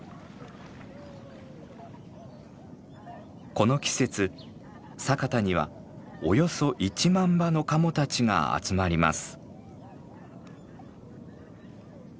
この季節佐潟にはおよそ１万羽のカモたちが集まります。